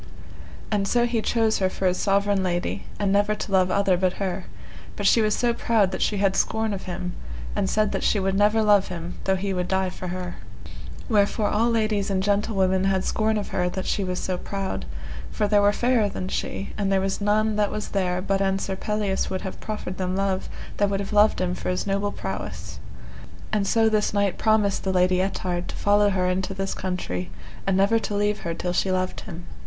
And so he chose her for his sovereign lady, and never to love other but her, but she was so proud that she had scorn of him, and said that she would never love him though he would die for her. Wherefore all ladies and gentlewomen had scorn of her that she was so proud, for there were fairer than she, and there was none that was there but an Sir Pelleas would have proffered them love, they would have loved him for his noble prowess. And so this knight promised the Lady Ettard to follow her into this country, and never to leave her till she loved him.